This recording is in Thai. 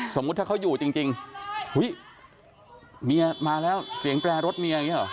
สมมุติถ้าเขาอยู่จริงอุ้ยเมียมาแล้วเสียงแปรรถเมียอย่างนี้หรอ